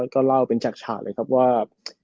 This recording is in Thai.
ก็เล่าเป็นฉากฉากเลยครับว่า